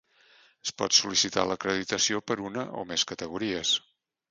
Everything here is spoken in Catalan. Es pot sol·licitar l'acreditació per una o més categories.